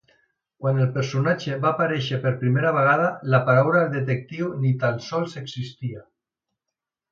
Quan el personatge va aparèixer per primera vegada, la paraula detectiu ni tan sols existia.